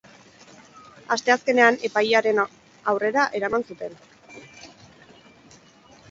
Asteazkenean epailearen aurrera eraman zuten.